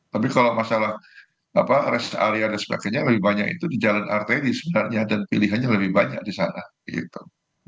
tapi kalau masalah rest area dan sebagainya lebih banyak itu di jalan arteri sebenarnya dan pilihannya lebih banyak di sana gitu